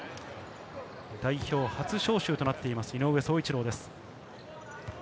代表初招集となっています、井上宗一郎です。